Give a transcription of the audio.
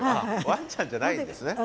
ワンちゃんじゃないんですね。